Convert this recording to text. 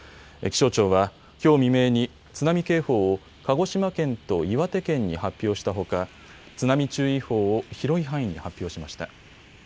気象庁は、きょう未明に津波警報を鹿児島県と岩手県に発表したほか津波注意報を広い範囲に発表しました。